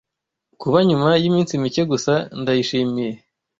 Kuba nyuma y’iminsi micye gusa Ndayishimiye